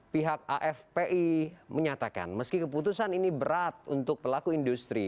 pihak afpi menyatakan meski keputusan ini berat untuk pelaku industri